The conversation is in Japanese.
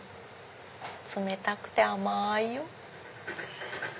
冷たくて甘いよ。